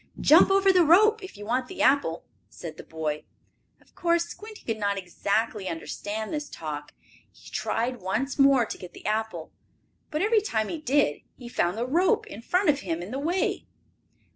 "Jump over the rope if you want the apple," said the boy. Of course Squinty could not exactly understand this talk. He tried once more to get the apple, but, every time he did, he found the rope in front of him, in the way.